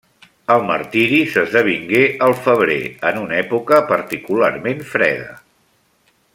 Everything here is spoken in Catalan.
El martiri s'esdevingué al febrer, en una època particularment freda.